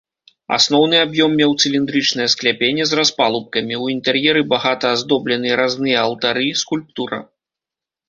Асноўны аб'ём меў цыліндрычнае скляпенне з распалубкамі, у інтэр'еры багата аздобленыя разныя алтары, скульптура.